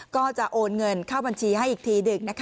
ก็จะโอนเงินเข้าบัญชีให้อีกทีหนึ่ง